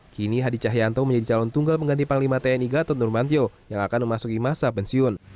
kini hadi cahyanto menjadi calon tunggal pengganti panglima tni gatot nurmantio yang akan memasuki masa pensiun